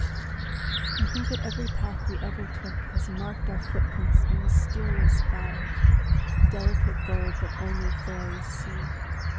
I think that every path we ever took Has marked our footprints in mysterious fire, Delicate gold that only fairies see.